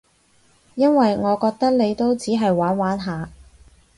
因為我覺得你都只係玩玩下